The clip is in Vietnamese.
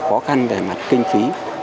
khó khăn về mặt kinh phí